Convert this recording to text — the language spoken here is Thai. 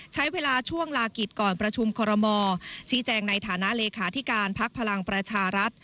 ใช้เวลาช่วงลากิจก่อนประชุมคอรมอชี้แจงในฐานะเลขาธิการพักพลังประชารัฐ